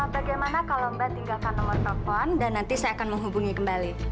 bagaimana kalau mbak tinggalkan nomor telepon dan nanti saya akan menghubungi kembali